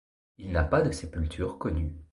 Il n'a pas de sépulture connue.